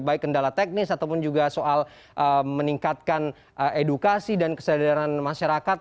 baik kendala teknis ataupun juga soal meningkatkan edukasi dan kesadaran masyarakat